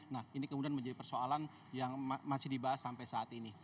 nah ini kemudian menjadi persoalan yang masih dibahas sampai saat ini